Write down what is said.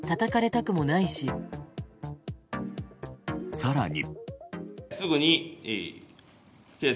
更に。